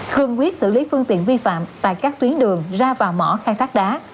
thường quyết xử lý phương tiện vi phạm tại các tuyến đường ra vào mỏ khai thác đá